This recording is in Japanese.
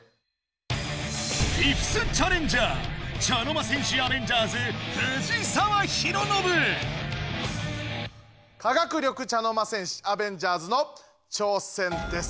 茶の間戦士アベンジャーズ科学力茶の間戦士アベンジャーズの挑戦です。